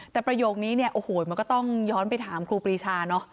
แต่ประโยคนี้เนี่ยโอ้โหมันก็ต้องย้อนไปถามครูปรีชาเนอะ